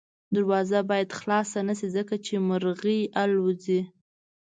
دروازه باید خلاصه نه شي ځکه چې مرغۍ الوځي.